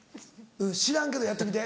知らんけどやってみて。